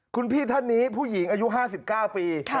คุณพี่ท่านนี้ผู้หญิงอายุ๕๙ปี